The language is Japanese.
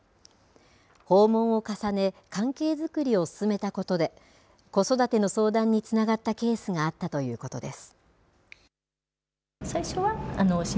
訪問を重ね関係づくりを進めたことで子育ての相談につながったケースがあったということです。